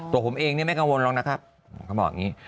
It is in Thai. ตัวผมเองนี่ไม่กังวลหรอกนะครับผมก็บอกอย่างนี้